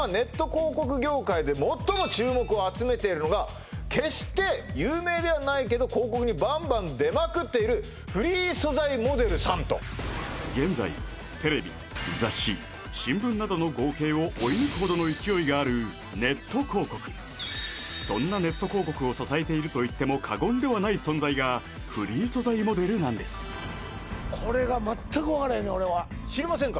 広告業界で最も注目を集めているのが決して有名ではないけど広告にバンバン出まくっているフリー素材モデルさんと現在テレビ雑誌新聞などの合計を追い抜くほどの勢いがあるそんなネット広告を支えているといっても過言ではない存在がこれが全く分かれへんねん俺は知りませんか？